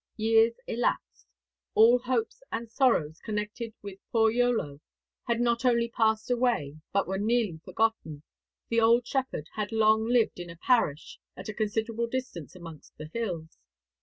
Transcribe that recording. Years elapsed; 'all hopes and sorrows connected with poor Iolo had not only passed away, but were nearly forgotten; the old shepherd had long lived in a parish at a considerable distance amongst the hills.